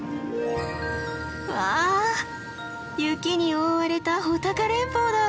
わあ雪に覆われた穂高連峰だ。